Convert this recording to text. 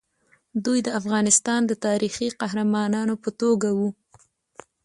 دوی د افغانستان د تاریخي قهرمانانو په توګه وو.